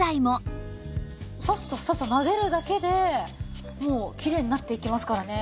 サッサッサッサッなでるだけでもうきれいになっていきますからね。